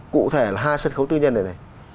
cụ thể là hai sân khấu tư nhân này này